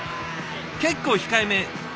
結構控えめ。